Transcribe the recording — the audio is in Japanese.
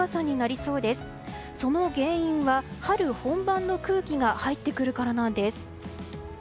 その原因は春本番の空気が入ってくるからなんです。